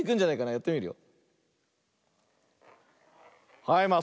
やってみるよ。